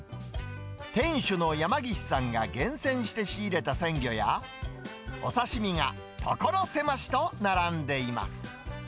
店主の山岸さんが厳選して仕入れた鮮魚や、お刺身が所狭しと並んでいます。